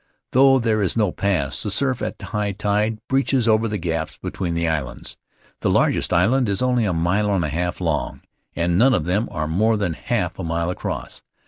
Though there is no pass, the surf at high tide breaches over the gaps between the islands. The largest island is only a mile and a half long, and none of them are more than half a mile across.